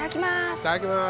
いただきます！